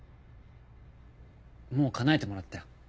もうかなえてもらったよ。